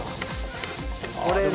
これで。